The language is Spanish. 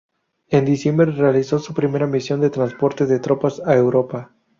En diciembre realizó su primera misión de transporte de tropas a Europa.